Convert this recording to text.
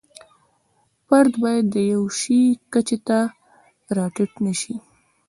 فرد باید د یوه شي کچې ته را ټیټ نشي.